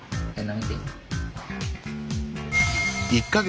１か月。